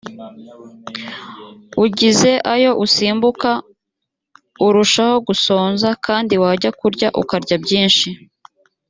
ugize ayo usimbuka urushaho gusonza kandi wajya kurya ukarya byinshi